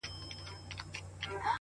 • په وهلو یې په کار لګیا کومه -